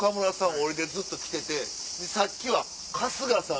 俺でずっと来ててさっきは春日さん